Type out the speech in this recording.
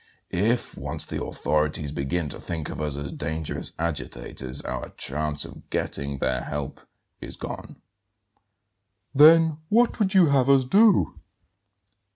If once the authorities begin to think of us as dangerous agitators our chance of getting their help is gone." "Then what would you have us do?"